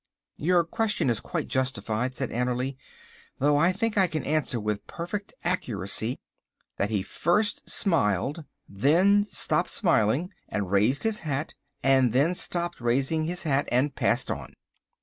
"Your question is quite justified," said Annerly, "though I think I can answer with perfect accuracy that he first smiled, then stopped smiling and raised his hat, and then stopped raising his hat and passed on."